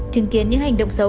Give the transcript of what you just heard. chứng kiến những hành động xấu